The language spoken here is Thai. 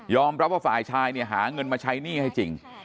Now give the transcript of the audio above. ยอมรับว่าฝ่ายชายหาเงินมาใช้หนี้ให้จริง